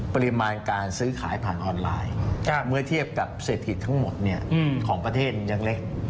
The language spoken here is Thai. ปริมาณการซื้อขายผ่านออนไลน์เมื่อเทียบกับเศรษฐกิจทั้งหมดของประเทศยังเล็ก